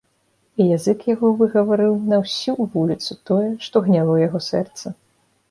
І язык яго выгаварыў на ўсю вуліцу тое, што гняло яго сэрца.